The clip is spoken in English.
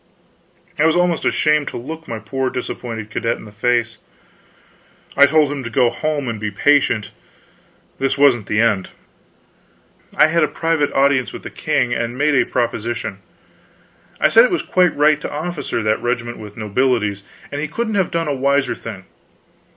I was almost ashamed to look my poor disappointed cadet in the face. I told him to go home and be patient, this wasn't the end. I had a private audience with the king, and made a proposition. I said it was quite right to officer that regiment with nobilities, and he couldn't have done a wiser thing.